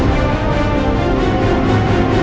kenapa perutnya membesar begini